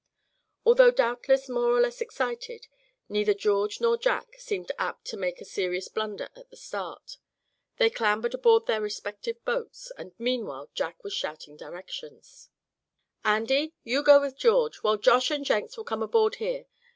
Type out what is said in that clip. Although doubtless more or less excited, neither George nor Jack seemed apt to make a serious blunder in the start. They clambered aboard their respective boats and meanwhile Jack was shouting directions: "Andy, you go with George, while Josh and Jenks will come aboard here.